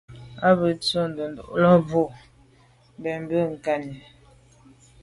A be z’o tshob ndùlàlà mb’o bèn mbe nkagni.